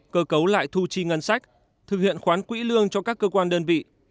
cơ cấu lại thu chi ngân sách thực hiện khoán quỹ lương cho các cơ quan đơn vị